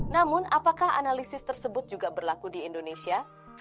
namun apakah analisis tersebut juga berlaku di indonesia